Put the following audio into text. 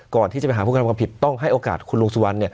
ก่อนที่จะไปหาผู้กระทำความผิดต้องให้โอกาสคุณลุงสุวรรณ